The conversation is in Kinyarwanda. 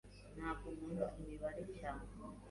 Ntabwo nkunda imibare cyane.